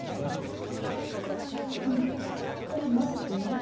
少し待っててね。